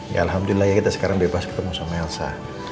ya alhamdulillah ya kita sekarang bebas ketemu sama elsa